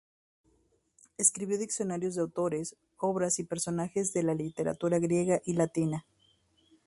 Escribió diccionarios de autores, obras y personajes de las literaturas griega y latina.